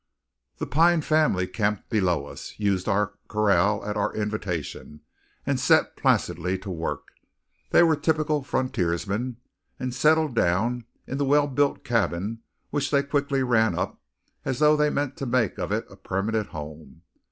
The Pine family camped below us, used our corral, at our invitation, and set placidly to work. They were typical frontiersmen, and settled down in the well built cabin which they quickly ran up as though they meant to make of it a permanent home.